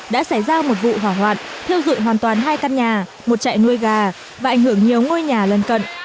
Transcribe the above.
đã xảy ra một vụ hỏa hoạn thiêu dụi hoàn toàn hai căn nhà một chạy nuôi gà và ảnh hưởng nhiều ngôi nhà lân cận